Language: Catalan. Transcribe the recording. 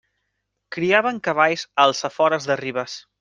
Criaven cavalls als afores de Ribes.